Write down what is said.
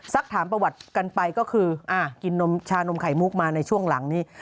ถามประวัติกันไปก็คือกินชานมไข่มุกมาในช่วงหลังนี้